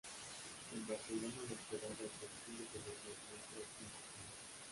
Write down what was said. En Barcelona los esperaba el cónsul de Colombia Ignacio Ortiz Lozano.